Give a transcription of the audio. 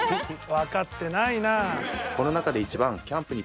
わかってないなぁ。